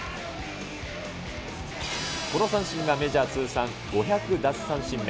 この三振がメジャー通算５００奪三振目。